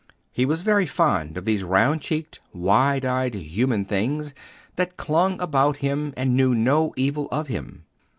He was very fond of these round cheeked, wide eyed human things that clung about him and knew no evil of him.